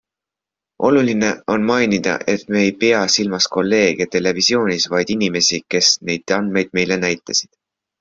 Oluline on mainida, et ma ei pea silmas kolleege televisioonis, vaid inimesi, kes neid andmeid meile näitasid.